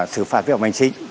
xử phạt việc bành chính